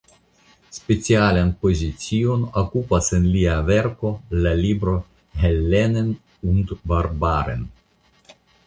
Specialan pozicion okupas en lia verko la libro "Hellenen und Barbaren.